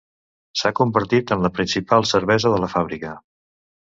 S'ha convertit en la principal cervesa de la fàbrica.